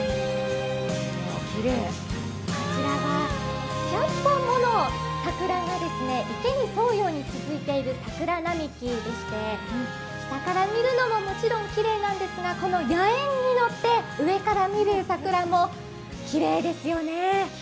こちらは１００本もの桜が池に沿うように続いている桜並木でして下から見るのももちろんきれいなんですが、この野猿に乗って、上から見る桜もきれいですよね。